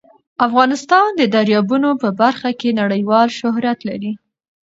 افغانستان د دریابونه په برخه کې نړیوال شهرت لري.